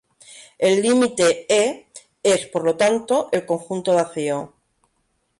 El límite "E" es, por lo tanto, el conjunto vacío.